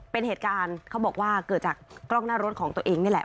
เป็นเหตุการณ์เขาบอกว่าเกิดจากกล้องหน้ารถของตัวเองนี่แหละ